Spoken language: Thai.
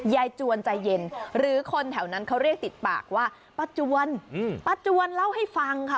จวนใจเย็นหรือคนแถวนั้นเขาเรียกติดปากว่าป้าจวนป้าจวนเล่าให้ฟังค่ะ